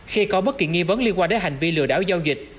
khi có bất kỳ nghi vấn liên quan đến hành vi lừa đảo giao dịch